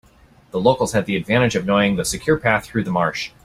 The locals had the advantage of knowing the secure path through the marsh.